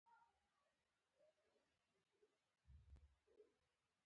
پکورې له ګرم تیلو نه راوځي